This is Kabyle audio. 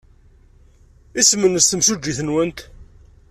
Isem-nnes timsujjit-nwent?